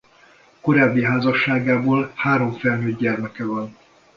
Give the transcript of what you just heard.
Korábbi házasságából három felnőtt gyermeke van.